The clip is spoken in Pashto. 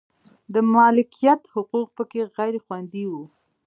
د مالکیت حقوق په کې غیر خوندي و.